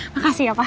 makasih ya pak